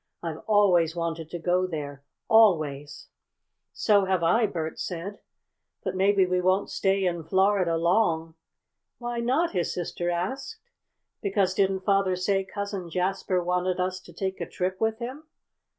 "I've always wanted to go there, always!" "So have I," Bert said. "But maybe we won't stay in Florida long." "Why not?" his sister asked. "Because didn't father say Cousin Jasper wanted us to take a trip with him?"